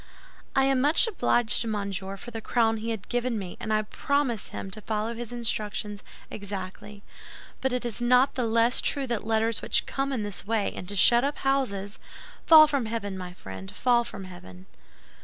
"I am much obliged to Monsieur for the crown he has given me, and I promise him to follow his instructions exactly; but it is not the less true that letters which come in this way into shut up houses—" "Fall from heaven, my friend, fall from heaven."